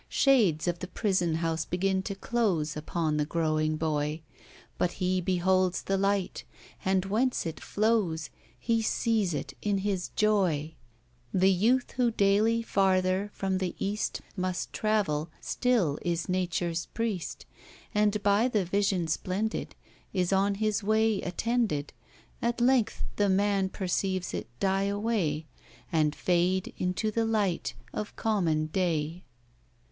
Shades of the prison house heffn to dose Upon the growing boy. But he beholds the light, and whence it flows He sees it in his joy; The youth who daily farther, from the Bast Must travel, stiU is Nature's priest. And by the vision ^lendid Is on his way attended; At length the man perceives it die away. And fade into the light of common day.